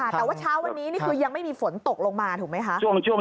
แต่ว่าเช้าวันนี้นี่คือยังไม่มีฝนตกลงมาถูกไหมคะ